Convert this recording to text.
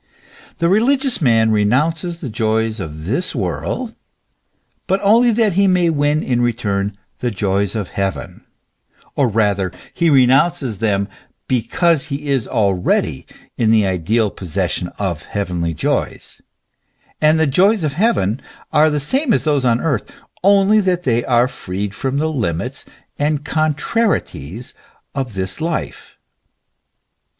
The religious man renounces the joys of this world, but only that he may win in return the joys of heaven; or rather he re nounces them because he is already in the ideal possession of heavenly joys ; and the joys of heaven are the same as those of earth, only that they are freed from the limits and con trarieties of this life.